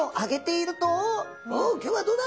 「お今日はどうだ？